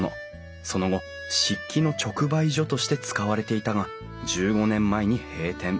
その後漆器の直売所として使われていたが１５年前に閉店。